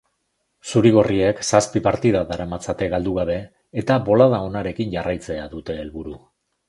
Zuri-gorriek zazpi partida daramatzate galdu gabe eta bolada onarekin jarraitzea dute helburu.